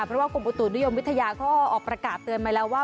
เพราะว่ากลุ่มประตูนุยมวิทยาค่อออกประกาศเตือนมาแล้วว่า